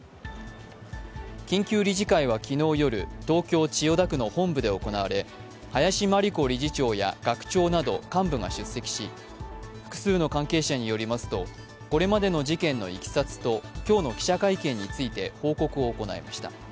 緊急理事会は昨日、東京・千代田区の本部で行われ林真理子理事長や学長など幹部が出席し、複数の関係者によりますと、これまでの事件のいきさつと今日の記者会見について報告を行いました。